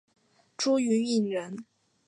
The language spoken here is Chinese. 朱云影人。